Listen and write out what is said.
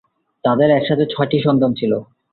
তাদের একসাথে ছয়টি সন্তান ছিল।